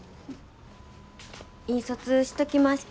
印刷しときました。